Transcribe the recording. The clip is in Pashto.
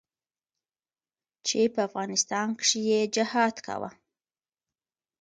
چې په افغانستان کښې يې جهاد کاوه.